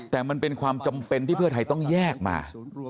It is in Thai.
แต่มันเป็นความจำเป็นที่เพื่อไทยต้องแยกมา